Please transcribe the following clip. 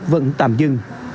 vẫn tạm dừng